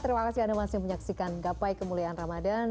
terima kasih anda masih menyaksikan gapai kemuliaan ramadhan